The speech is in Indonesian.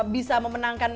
bisa memenangkan kata kata